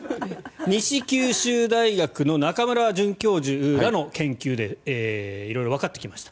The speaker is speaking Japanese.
西九州大学の中村准教授らの研究で色々わかってきました。